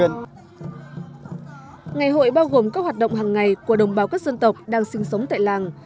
ngày hội bao gồm các hoạt động hàng ngày của đồng bào các dân tộc đang sinh sống tại làng